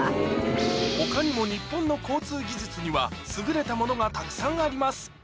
他にも日本の交通技術には優れたものがたくさんあります